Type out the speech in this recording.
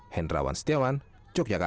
hendrawan setiawan yogyakarta